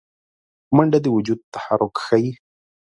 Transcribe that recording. منډه د وجود تحرک ښيي